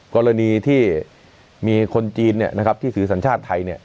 กรณีที่มีคนจีนเนี้ยนะครับที่สื่อสัญชาติไทยเนี้ย